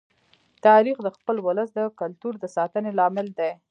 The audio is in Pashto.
تاریخ د خپل ولس د کلتور د ساتنې لامل دی.